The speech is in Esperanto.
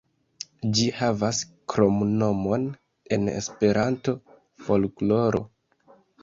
Ĝi havas kromnomon en Esperanto: "Folkloro".